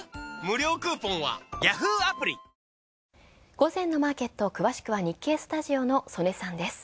午前のマーケット、詳しくは、日経スタジオの曽根さんです。